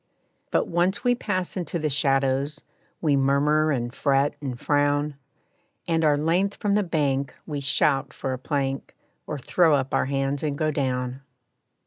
But once we pass into the shadows, We murmur and fret and frown, And, our length from the bank, we shout for a plank, Or throw up our hands and go down.